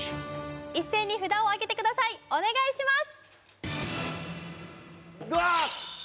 一斉に札を上げてください、お願いします。